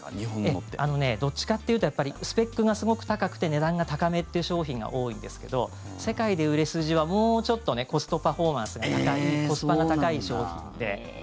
どっちかっていうとスペックがすごく高くて値段が高めっていう商品が多いんですけど世界で売れ筋は、もうちょっとコストパフォーマンスが高いコスパが高い商品で。